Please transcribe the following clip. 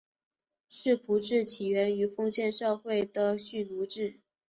世仆制起源于封建社会的蓄奴制。